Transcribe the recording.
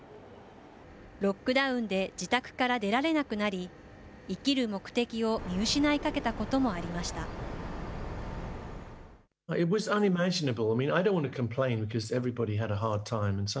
ロックダウンで自宅から出られなくなり、生きる目的を見失いかけたこともありました。